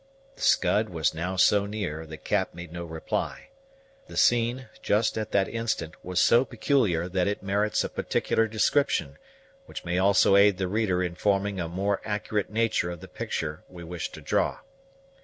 The Scud was now so near, that Cap made no reply. The scene, just at that instant, was so peculiar, that it merits a particular description, which may also aid the reader in forming a more accurate nature of the picture we wish to draw.